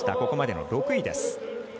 ここまでの６位です。